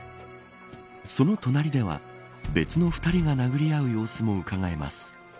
その隣では別の２人が殴り合う様子もうかがえます。